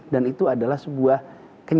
dan itu adalah konsekuensi